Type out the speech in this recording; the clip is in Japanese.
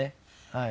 はい。